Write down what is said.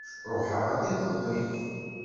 Ṛuḥeɣ-d iḍelli.